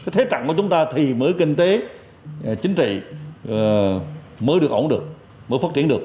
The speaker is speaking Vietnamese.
thế trận của chúng ta thì mới kinh tế chính trị mới được ổn được mới phát triển được